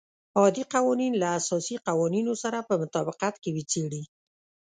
عادي قوانین له اساسي قوانینو سره په مطابقت کې وڅېړي.